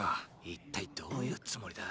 一体どういうつもりだ？